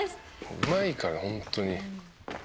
「うまいからホントに」